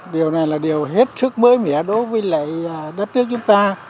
điều này là điều hết sức mới mẻ đối với lại đất nước chúng ta